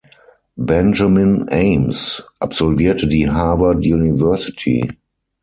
Benjamin Ames absolvierte die Harvard University.